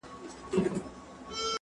کېدای سي کالي لمد وي!